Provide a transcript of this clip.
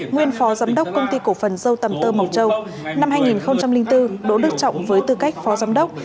nguyên phó giám đốc công ty cổ phần dâu tầm tơ mộc châu năm hai nghìn bốn đỗ đức trọng với tư cách phó giám đốc